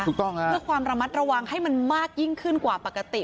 เพื่อความระมัดระวังให้มันมากยิ่งขึ้นกว่าปกติ